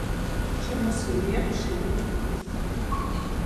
შემოსილია ხშირი ტყით.